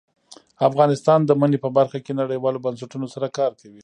افغانستان د منی په برخه کې نړیوالو بنسټونو سره کار کوي.